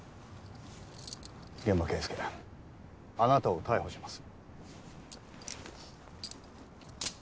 諫間慶介あなたを逮捕します。